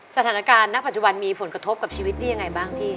สถานการณ์ณปัจจุบันมีผลกระทบกับชีวิตได้ยังไงบ้างพี่